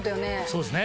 そうですね。